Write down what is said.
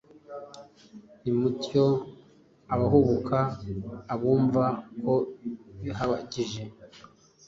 Nimutyo abahubuka abumva ko bihagije